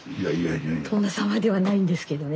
殿様ではないんですけどね。